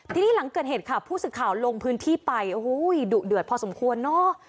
ทีนี้หลังเกิดเหตุค่ะผู้สื่อข่าวลงพื้นที่ไปโอ้โหดุเดือดพอสมควรเนอะ